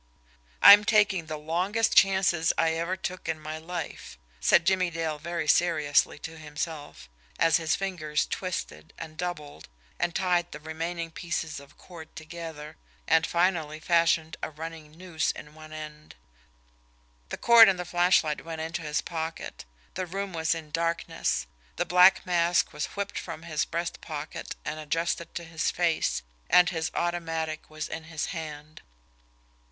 "I'm taking the longest chances I ever took in my life," said Jimmie Dale very seriously to himself, as his fingers twisted, and doubled, and tied the remaining pieces of cord together, and finally fashioned a running noose in one end. "I don't " The cord and the flashlight went into his pocket, the room was in darkness, the black mask was whipped from his breast pocket and adjusted to his face, and his automatic was in his hand.